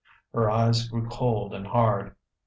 Her eyes grew cold and hard.